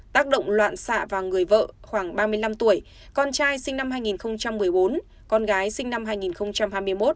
tác động loạn xạ vào người vợ khoảng ba mươi năm tuổi con trai sinh năm hai nghìn một mươi bốn con gái sinh năm hai nghìn hai mươi một